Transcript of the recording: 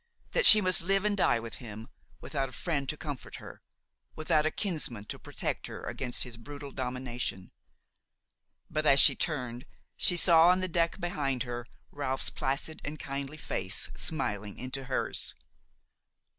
that she must live and die with him, without a friend to comfort her, without a kinsman to protect her against his brutal domination. But, as she turned, she saw on the deck behind her Ralph's placid and kindly face smiling into hers.